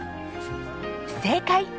正解！